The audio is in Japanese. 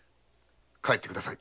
帰ってください。